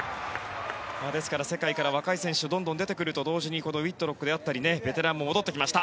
ですから世界から若い選手が出てくると同時にウィットロックというベテランも戻ってきました。